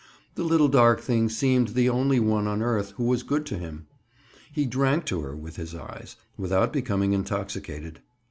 The little dark thing seemed the only one on earth who was good to him. He drank to her with his eyes—without becoming intoxicated.